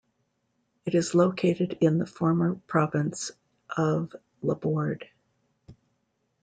It is located in the former province of Labourd.